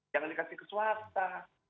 jangan dikasih swasta